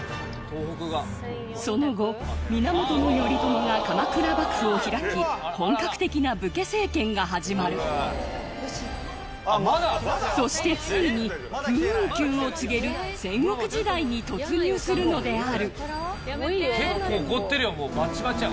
その後源頼朝が鎌倉幕府を開き本格的な武家政権が始まるそしてついに風雲急を告げる戦国時代に突入するのである結構起こってるよもうバチバチや。